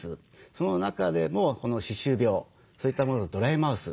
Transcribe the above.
その中でもこの歯周病そういったものとドライマウス